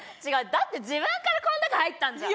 だって自分からこの中入ったんじゃん。